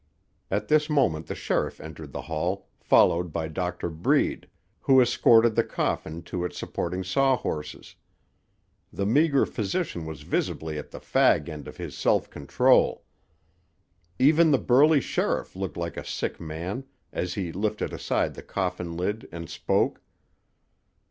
At this moment the sheriff entered the hall, followed by Doctor Breed, who escorted the coffin to its supporting sawhorses. The meager physician was visibly at the fag end of his self control. Even the burly sheriff looked like a sick man, as he lifted aside the coffin lid and spoke.